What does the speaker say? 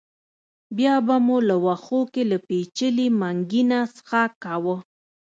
بیا به مو له وښو کې له پېچلي منګي نه څښاک کاوه.